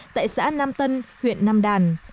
tại xã nam tân huyện nam đàn